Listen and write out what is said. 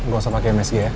gak usah pakai msg ya